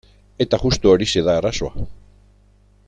Eta justu horixe da arazoa.